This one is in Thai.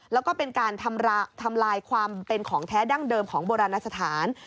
แล้วก็เป็นการทำลายความเป็นของแท้ดั้งเดิมของโบราณสถาน